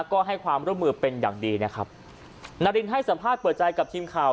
ก็ให้ความร่วมมือเป็นอย่างดีนะครับนารินให้สัมภาษณ์เปิดใจกับทีมข่าว